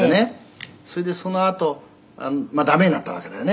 「それでそのあと駄目になったわけだよね」